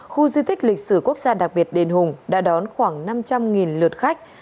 khu di tích lịch sử quốc gia đặc biệt đền hùng đã đón khoảng năm trăm linh lượt khách